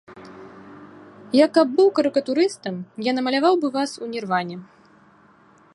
Я каб быў карыкатурыстам, я намаляваў бы вас у нірване.